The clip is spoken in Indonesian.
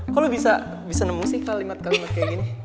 kok lo bisa nemu sih kalimat kalimat kayak gini